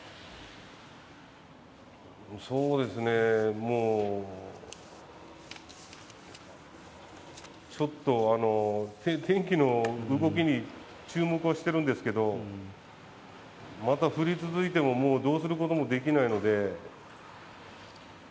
そうですね、もう、ちょっと天気の動きに注目はしてるんですけど、また降り続いてもどうすることもできないので。